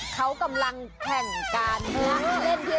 เขากำลังแท่งการเล่นไม่ได้